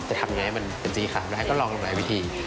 ทำยังไงให้มันเป็นสีขาวไม่ได้ก็ลองลงหลายวิธี